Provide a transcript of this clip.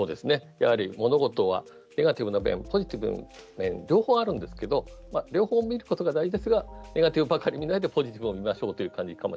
やはり物事はネガティブな面ポジティブな面両方あるんですけど両方見ることが大事ですがネガティブばかり見ないでポジティブも見ましょうという感じかもしれません。